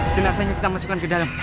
jenazahnya kita masukkan ke dalam